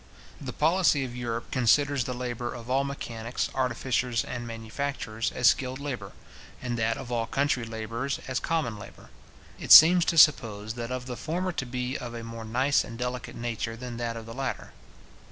The policy of Europe considers the labour of all mechanics, artificers, and manufacturers, as skilled labour; and that of all country labourers as common labour. It seems to suppose that of the former to be of a more nice and delicate nature than that of the latter.